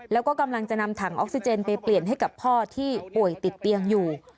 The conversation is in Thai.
แล้วก็กำลังจะนำถังออกซิเจนไปเปลี่ยนให้กับพ่อที่ป่วยติดเตียงอยู่